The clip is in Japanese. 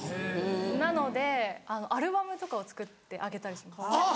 なのでアルバムとかを作ってあげたりします。